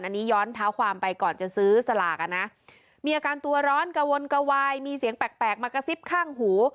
อันนี้ย้อนเท้าความไปก่อนจะซื้อสลากอ่ะนะมีอาการตัวร้อนกระวนกระวายมีเสียงแปลกแปลกมากระซิบข้างหู